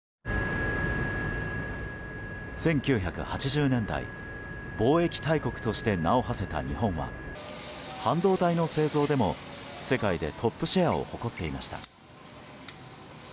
１９８０年代貿易大国として名を馳せた日本は半導体の製造でも、世界でトップシェアを誇っていました。